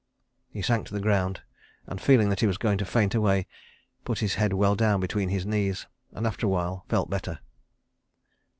... He sank to the ground, and feeling that he was going to faint away, put his head well down between his knees, and, after a while, felt better.